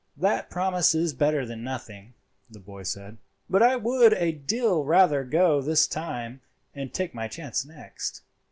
"That promise is better than nothing," the boy said; "but I would a deal rather go this time and take my chance next."